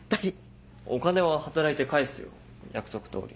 お金は働いて返すよ約束通り。